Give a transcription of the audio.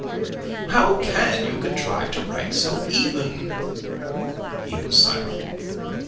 "How can you contrive to write so even?" He was silent.